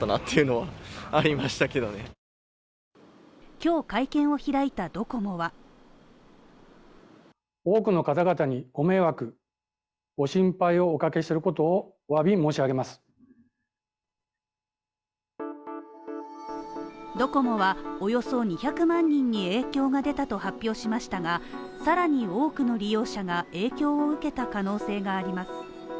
今日会見を開いたドコモはドコモはおよそ２００万人に影響が出たと発表しましたが、さらに多くの利用者が影響を受けた可能性があります。